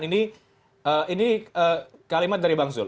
ini kalimat dari bang zul